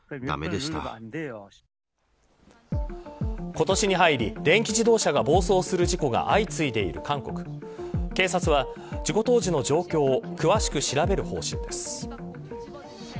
今年に入り、電気自動車が暴走する事故が相次いでいる韓国警察は、事故当時の状況を詳しく調べる方針です。